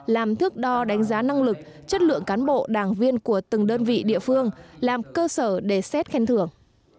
làm thước đo đánh giá năng lực chất lượng cán bộ đảng viên của từng đơn vị địa phương làm cơ sở để xét khen thưởng